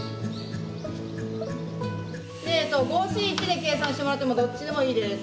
Ｃで計算してもらってもどっちでもいいです。